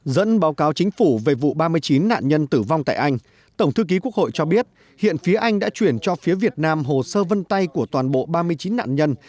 dẫn báo cáo chính phủ về vụ ba mươi chín nạn nhân tử vong tại anh tổng thư ký quốc hội cho biết hiện phía anh đã chuyển cho phía việt nam hồ sơ vân tay của toàn bộ ba mươi chín nạn nhân